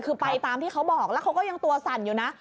คือไปตามที่เขาบอกแล้วเขาก็ยังตัวสั่นอยู่นะ